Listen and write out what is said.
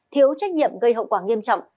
thiếu trách nhiệm gây hậu quả nghiêm trọng